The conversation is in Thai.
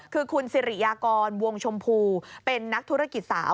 คือคุณสิริยากรวงชมพูเป็นนักธุรกิจสาว